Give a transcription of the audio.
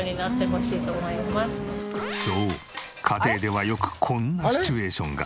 そう家庭ではよくこんなシチュエーションが。